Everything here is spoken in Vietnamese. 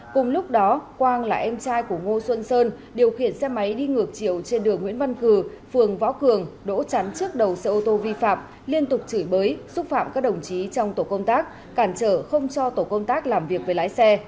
cùng lúc đó quang là em trai của ngô xuân sơn điều khiển xe máy đi ngược chiều trên đường nguyễn văn cử phường võ cường đỗ chắn trước đầu xe ô tô vi phạm liên tục chửi bới xúc phạm các đồng chí trong tổ công tác cản trở không cho tổ công tác làm việc với lái xe